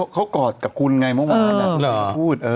เขากอดกับคุณไงเมื่อวาน